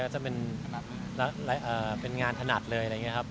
จะเป็นงานถนัดเลย